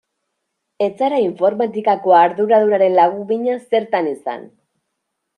Ez zara informatikako arduradunaren lagun mina zertan izan.